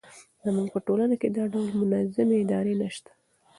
زموږ په ټولنه کې دا ډول منظمې ادارې نه شته.